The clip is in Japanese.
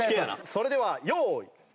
それでは用意。